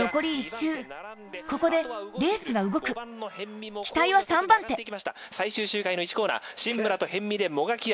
ここでレースが動く北井は３番手最終周回の１コーナー新村と見でもがき合い。